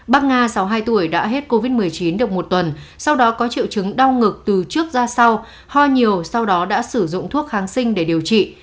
bác nga sáu mươi hai tuổi đã hết covid một mươi chín được một tuần sau đó có triệu chứng đau ngực từ trước ra sau ho nhiều sau đó đã sử dụng thuốc kháng sinh để điều trị